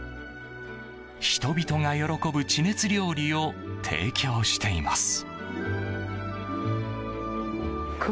人々が喜ぶ地熱料理を提供しています。